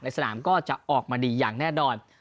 ในสถานาก็ออกมาดีอย่างแน่นอน